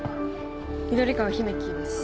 緑川姫希です